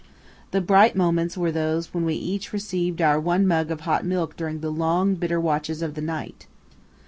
The bright moments were those when we each received our one mug of hot milk during the long, bitter watches of the night.